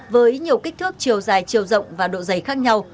với nhiều kích thước chiều dài chiều rộng và độ dày khác nhau